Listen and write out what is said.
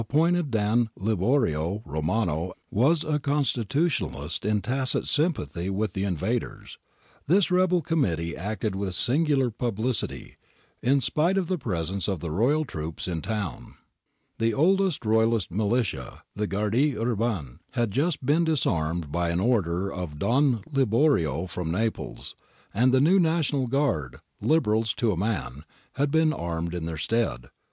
MISSORI ON ASPROMONTE 113 the new Intendant of Reggio appointed by Don Liborio Romano was a ' constitutionalist ' in tacit sympathy with the invaders, this rebel Committee acted with singular publicity, in spite of the presence of the royal troops in the town. The old Royalist militia — thegnardie urbane — had just been disarmed by an order of Don Liborio from Naples, and the new National Guard, Liberals to a man, had been armed in their stead.